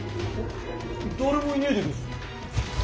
誰もいねえでげす。